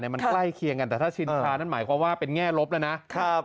มันใกล้เคียงกันแต่ถ้าชินชานั่นหมายความว่าเป็นแง่ลบแล้วนะ